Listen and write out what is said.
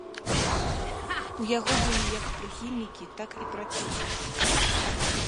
У яго былі як прыхільнікі, так і праціўнікі.